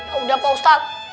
yaudah pak ustaz